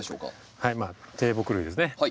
はい低木類ですね。